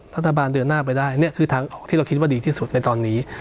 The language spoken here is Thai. รัฐบาลเดินหน้าไปได้เนี่ยคือทางออกที่เราคิดว่าดีที่สุดในตอนนี้